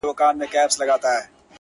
د سيند پر غاړه!! سندريزه اروا وچړپېدل!!